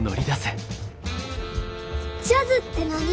ジャズって何？